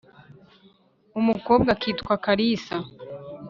umukobwa akitwa kalisa